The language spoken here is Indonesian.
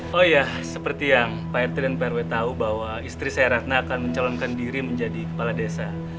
oh ya seperti yang pak rt dan pak rw tahu bahwa istri saya ratna akan mencalonkan diri menjadi kepala desa